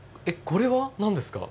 これは何ですか？